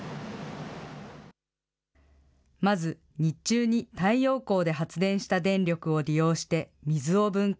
まず、日中に太陽光で発電した電力を利用して、水を分解。